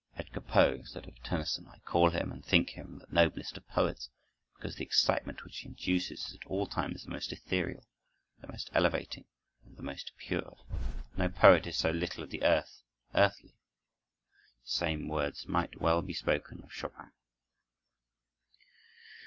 Edgar Poe said of Tennyson: "I call him and think him the noblest of poets, because the excitement which he induces is at all times the most ethereal, the most elevating, and the most pure. No poet is so little of the earth, earthy." The same words might well be spoken of Chopin.